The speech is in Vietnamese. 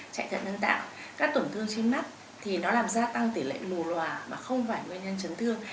chạy thận nhân tạo các tổn thương trên mắt thì nó làm gia tăng tỷ lệ lù loà mà không phải nguyên nhân chấn thương